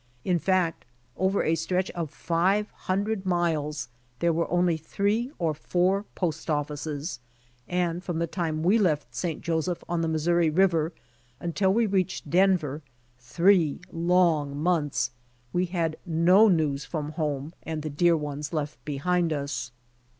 In fact over a stretch of five hundred miles there were only three or four postoffices, and from the time we left St. Josei)h on the Missouri river until we reached Denver, three long months, we had had no news from home and the dear ones left behind us.